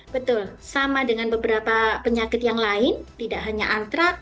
betul sama dengan beberapa penyakit yang lain tidak hanya antrak